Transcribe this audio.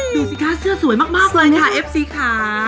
ดูสิคะเสื้อสวยมากเลยค่ะเอฟซีค่ะ